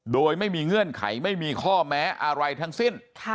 โดยไม่มีเงื่อนไขไม่มีข้อแม้อะไรทั้งสิ้น